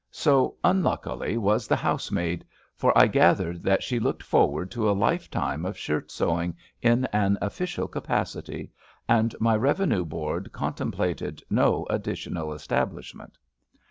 So, unluckily, was the housemaid, for I gathered that she looked forward to a lifetime of shirt sewing in an official capacity, and my Revenue Board contemplated no additional establishment.